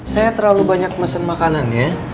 saya terlalu banyak mesen makanan ya